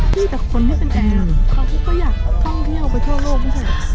ที่แต่คนที่เป็นแอร์เขาก็อยากท่องเที่ยวไปทั่วโลกไม่ใช่